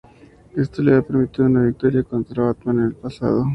Esto le había permitido una victoria contra Batman en el pasado.